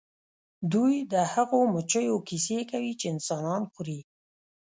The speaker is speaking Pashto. دوی د هغو مچیو کیسې کوي چې انسانان خوري